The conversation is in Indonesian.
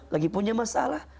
lagi punya masalah